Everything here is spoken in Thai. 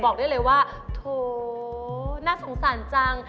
บอกได้เลยว่าโถน่าสงสารจัง